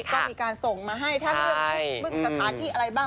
ก็มีการส่งมาให้ทางเรื่องของคู่คู่สรรพาที่อะไรบ้าง